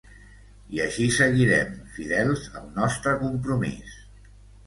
I així seguirem, fidels al nostre compromís.